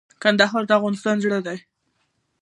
کندهار د افغانستان زړه دي